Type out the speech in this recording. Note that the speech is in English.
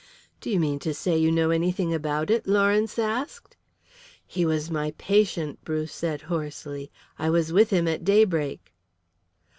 "Do you mean to say you know anything about it?" Lawrence asked. "He was my patient," Bruce said hoarsely. "I was with him at daybreak."